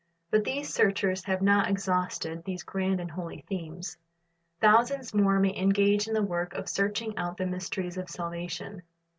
But these searchers have not exhausted these grand and holy themes. Thousands more may engage in the work of searching out the mysteries of salvation.